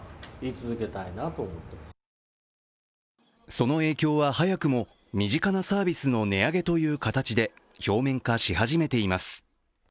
その影響は早くも身近なサービスの値上げという形で表面化し始めています。